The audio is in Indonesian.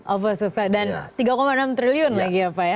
over dan tiga enam triliun lagi ya pak ya